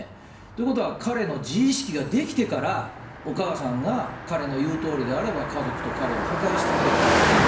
ということは彼の自意識が出来てから、お母さんが彼の言うとおりであれば、家族と彼を破壊し続けたわけですね。